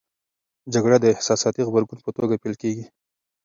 جګړه د احساساتي غبرګون په توګه پیل کېږي.